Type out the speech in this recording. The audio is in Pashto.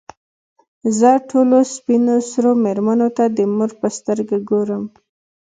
زه ټولو سپین سرو مېرمنو ته د مور په سترګو ګورم.